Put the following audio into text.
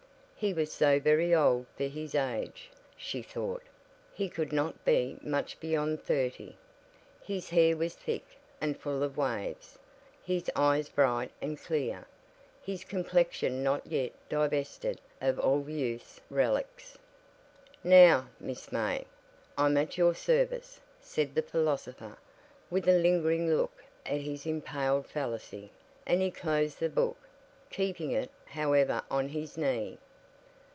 He was so very old for his age, she thought; he could not be much beyond thirty; his hair was thick and full of waves, his eyes bright and clear, his complexion not yet divested of all youth's relics. "Now, Miss May, I'm at your service," said the philosopher, with a lingering look at his impaled fallacy; and he closed the book, keeping it, however, on his knee.